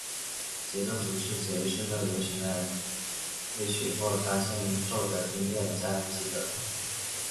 节奏组是指在爵士乐或者流行音乐乐队或乐团中为歌曲或乐曲搭建节奏的音乐家集合。